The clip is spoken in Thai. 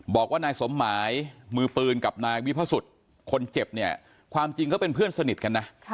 บอกว่านายสมหมายมือปืนกับนายวิพสุทธิ์คนเจ็บเนี่ยความจริงเขาเป็นเพื่อนสนิทกันนะ